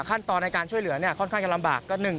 ขั้นตอนในการช่วยเหลือเนี่ยค่อนข้างจะลำบาก